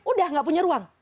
udah nggak punya ruang